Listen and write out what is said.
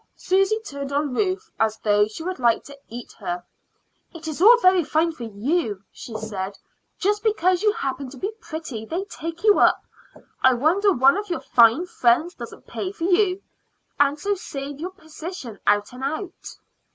Susy turned on Ruth as though she would like to eat her. "It is all very fine for you," she said. "Just because you happen to be pretty, they take you up. I wonder one of your fine friends doesn't pay for you, and so save your position out and out."